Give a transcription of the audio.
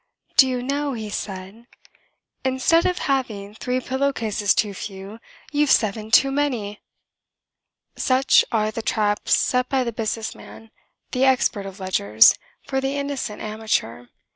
"Do you know," he said, "that instead of having three pillow cases too few, you've seven too many!" Such are the traps set by the business man, the expert of ledgers, for the innocent amateur.